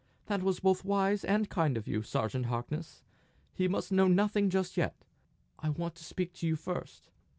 "That was both wise and kind of you, Sergeant Harkness! He must know nothing just yet. I want to speak to you first."